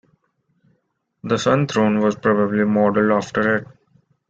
The Sun Throne was probably modelled after it.